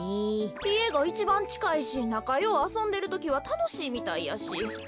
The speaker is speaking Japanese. いえがいちばんちかいしなかようあそんでるときはたのしいみたいやし。